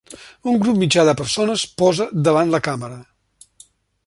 Un grup mitjà de persones posa davant la càmera.